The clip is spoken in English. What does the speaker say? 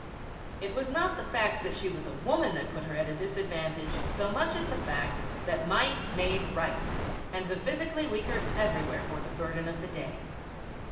It was not the fact that she was a woman that put her at a disadvantage so much as the fact that might made right, and the physically weaker everywhere bore the burden of the day.